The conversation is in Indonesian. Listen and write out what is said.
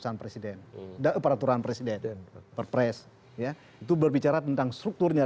baru nanti ada jawabannya